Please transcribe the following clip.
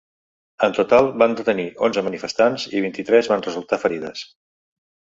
En total, van detenir onze manifestants i vint-i-tres van resultar ferides.